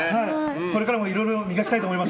これからもいろいろ磨きたいと思います。